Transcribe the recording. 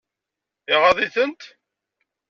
Iɣaḍ-itent?